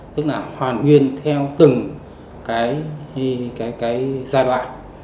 tức là hoàn nguyên theo từng giai đoạn